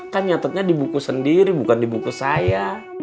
kan nyatanya di buku sendiri bukan di buku saya